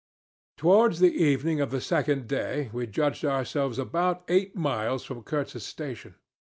"Towards the evening of the second day we judged ourselves about eight miles from Kurtz's station.